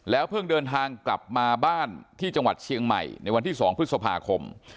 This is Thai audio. เพิ่งเดินทางกลับมาบ้านที่จังหวัดเชียงใหม่ในวันที่๒พฤษภาคม